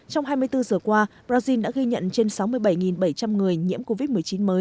trong hai mươi bốn giờ qua brazil đã ghi nhận trên sáu mươi bảy bảy trăm linh người nhiễm covid một mươi chín mới